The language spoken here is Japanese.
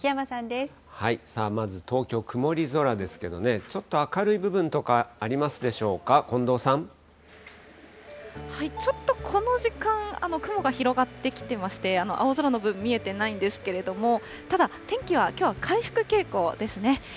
さあ、まず東京、曇り空ですけどね、ちょっと明るい部分とかちょっと、この時間、雲が広がってきてまして、青空の部分、見えていないんですけれども、ただ天気は、きょうは回復傾向ですね。